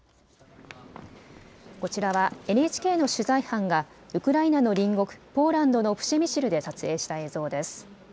こちらはＮＨＫの取材班がウクライナの隣国、ポーランドのプシェミシルで撮影した映像です。